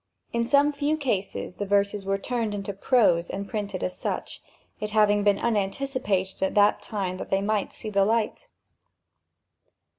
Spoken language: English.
In some few cases the verses were turned into prose and printed as such, it having been unanticipated at that time that they might see the light.